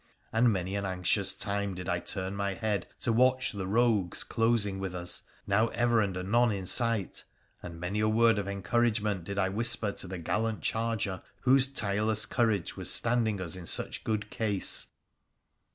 And many an anxious time did I turn my head to watch the rogues closing with us, now ever and anon in sight, and many a word of encouragement did I whisper to the gallant charger whose tireless courage was standing us in such good case.